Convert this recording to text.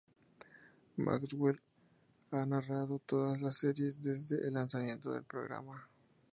Maxwell ha narrado todas las series desde el lanzamiento del programa.